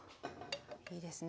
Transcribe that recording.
いいですね。